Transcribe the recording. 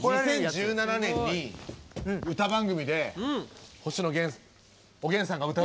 ２０１７年に歌番組で星野おげんさんが歌うって事はね。